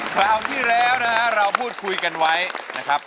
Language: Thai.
คราวที่แล้วนะฮะเราพูดคุยกันไว้นะครับ